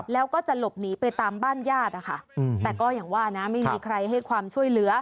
แล้วก็จะหลบหนีไปตามบ้านญาติแต่ความไม่มีใครมีช่วยเหลือ